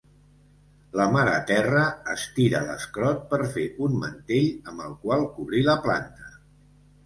La Mare Terra estira l'escrot per fer un mantell amb el qual cobrir la planta.